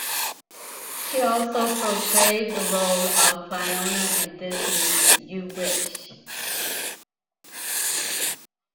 She also portrayed the role of Fiona in Disney's "You Wish!".